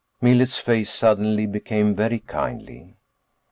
Millet's face suddenly became very kindly.